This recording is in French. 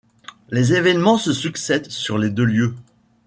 Les événements se succèdent sur les deux lieux.